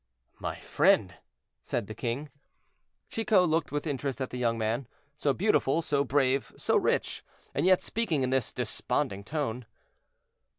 "My friend!" said the king. Chicot looked with interest at the young man, so beautiful, so brave, so rich, and yet speaking in this desponding tone.